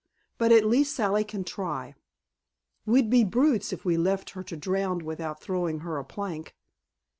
But at least Sally can try. We'd be brutes if we left her to drown without throwing her a plank."